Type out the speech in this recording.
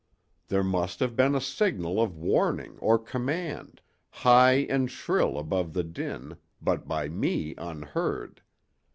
There must have been a signal of warning or command, high and shrill above the din, but by me unheard.